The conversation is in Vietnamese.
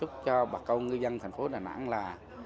chúc cho bà câu ngư dân thành phố đà nẵng là